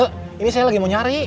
ini saya lagi mau nyari